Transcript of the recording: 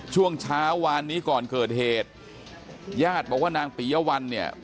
ช่วงเช้าวานนี้ก่อนเกิดเหตุญาติบอกว่านางปียวัลเนี่ย